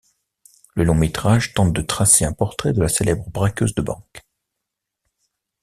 Le long métrage tente de tracer un portrait de la célèbre braqueuse de banques.